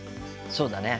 そうだね。